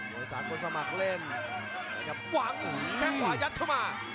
มวยสามคนสมัครเล่นแล้วก็ว้างแข้งขวายัดเข้ามา